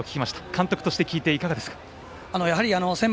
監督として聞いていかがでしたか。